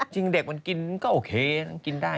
สิ่งเด็กมันกินก็โอเคกินได้